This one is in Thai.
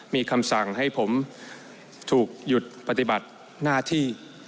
มีคำสั่งให้ผมถูกหยุดปฏิบัติหน้าที่